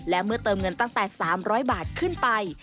และเมื่อเติมเงินตั้งแต่๓๐๐บาทขึ้นไป